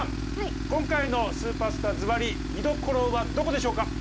今回の「スーパースター」ずばり見どころはどこでしょうか？